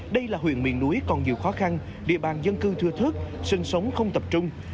đây là huyện miền núi còn nhiều khó khăn địa bàn dân cư thưa thớt sinh sống không tập trung